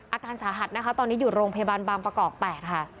อาการสาหัสนะคะตอนนี้อยู่โรงพยาบาลบางประกอบ๘ค่ะ